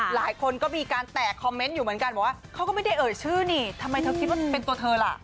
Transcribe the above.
หลายคนก็มีการแตกคอมเมนต์อยู่เหมือนกันบอกว่าเขาก็ไม่ได้เอ่ยชื่อนี่ทำไมเธอคิดว่าเป็นตัวเธอล่ะ